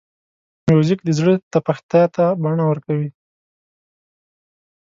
موزیک د زړه تپښتا ته بڼه ورکوي.